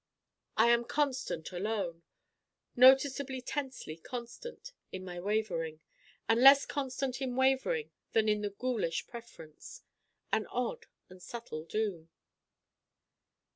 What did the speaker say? I am constant alone noticeably tensely constant in my Wavering: and less constant in Wavering than in the ghoulish preference. An odd and subtle doom.